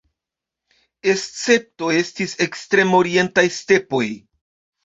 Escepto estis ekstrem-orientaj stepoj.